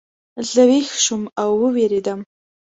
زه ویښ شوم او ووېرېدم.